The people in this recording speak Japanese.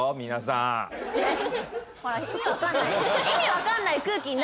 ほら意味わかんない。